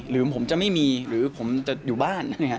หรือผมจะไม่มีหรือผมจะอยู่บ้าน